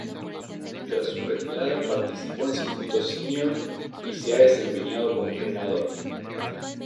Tras su retirada participó en circuitos senior y se ha desempeñado como entrenador.